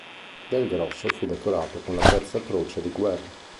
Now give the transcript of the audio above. Del Grosso fu decorato con la terza croce di guerra.